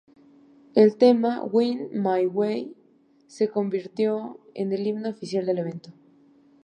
El tema「Wing my Way」se convirtió en el himno oficial del evento.